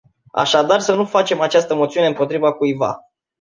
Așadar să nu facem această moțiune împotriva cuiva.